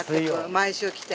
毎週来て。